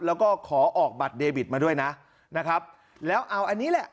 แล้วก็ขอออกบัตรเดบิตมาด้วยนะนะครับแล้วเอาอันนี้แหละ